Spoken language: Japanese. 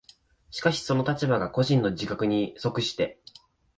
しかしその立場が個人の自覚に即して